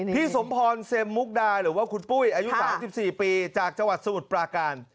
พี่สมพรเซ็มมุกดาหรือว่าคุณปุ้ยอายุ๓๔ปีจากจังหวัดสมุทรปราการ